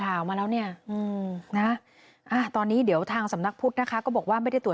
เขาบอกหลวงพี่รู้ป่ะไงเพื่อนเขาบอกเราไม่ได้ส่ง